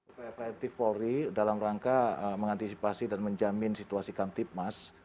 upaya preventif polri dalam rangka mengantisipasi dan menjamin situasi kamtipmas